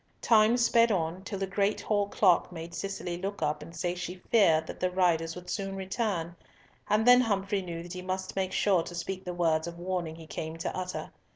Time sped on till the great hall clock made Cicely look up and say she feared that the riders would soon return, and then Humfrey knew that he must make sure to speak the words of warning he came to utter.